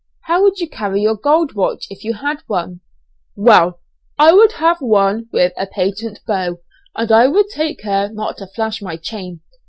"How would you carry your gold watch if you had one?" "Well, I would have one with a patent bow, and I would take care not to flash my chain.